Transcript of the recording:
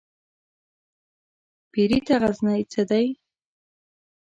پيري ته غزنى څه دى ؟